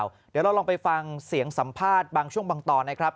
เดี๋ยวเราลองไปฟังเสียงสัมภาษณ์บางช่วงบางตอนนะครับ